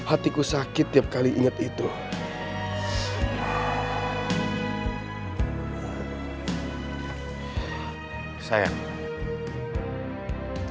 aku gak sanggup bertemu dengan bintang lagi